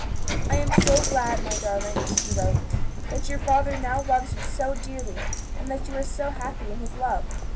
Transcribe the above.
"I am so glad, my darling," she wrote, "that your father now loves you so dearly, and that you are so happy in his love.